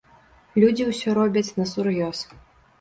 Людзі ўсё робяць насур'ёз.